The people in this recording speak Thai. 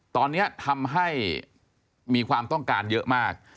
ตอนนี้ทำให้มีความต้องการเยอะมาก